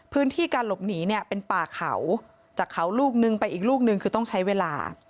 พื้นที่การหลบหนีเนี่ยเป็นป่าเขาจากเขาลูกนึงไปอีกลูกนึงคือต้องใช้เวลา